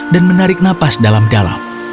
dan menarik nafasnya